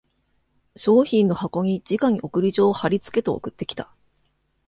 商品の箱にじかに送り状を張りつけて送ってきた